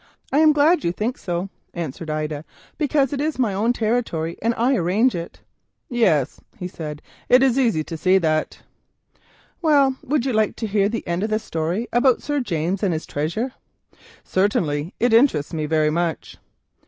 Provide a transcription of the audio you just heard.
"I am glad you think so," answered Ida; "because it is my own territory, and I arrange it." "Yes," he said, "it is easy to see that." "Well, would you like to hear the end of the story about Sir James and his treasure?" "Certainly; it interests me very much."